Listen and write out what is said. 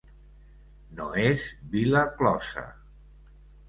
No és vila closa.